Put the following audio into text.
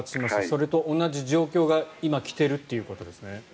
それと同じ状況が今来ているということですね。